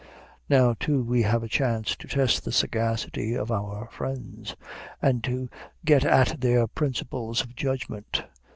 Now, too, we have a chance to test the sagacity of our friends, and to get at their principles of judgment.